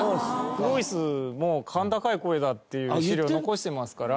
フロイスも甲高い声だっていう史料を残してますから。